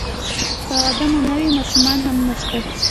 که واده مو نه وي ماشومان هم نشته.